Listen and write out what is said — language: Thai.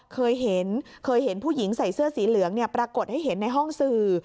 เคยเห็นเคยเห็นผู้หญิงใส่เสื้อสีเหลืองปรากฏให้เห็นในห้องสื่อ